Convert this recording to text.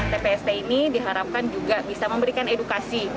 tpst ini diharapkan juga bisa memberikan edukasi